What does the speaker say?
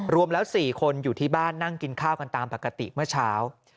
รวมแล้ว๔คนอยู่ที่บ้านนั่งกินข้าวกันตามปกติเมื่อเช้า